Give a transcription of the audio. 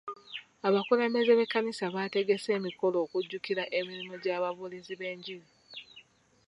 Abakulembeze b'ekkanisa bategese emikolo okujjukira emirimu gy'ababuulizi b'enjiri.